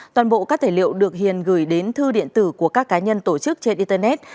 toàn bộ các tài liệu được hiền gửi đến thư điện tử của các cá nhân tổ chức trên internet